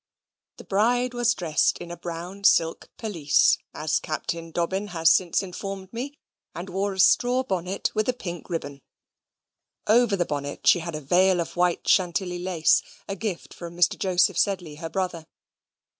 The bride was dressed in a brown silk pelisse (as Captain Dobbin has since informed me), and wore a straw bonnet with a pink ribbon; over the bonnet she had a veil of white Chantilly lace, a gift from Mr. Joseph Sedley, her brother.